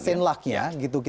sinlac ya gitu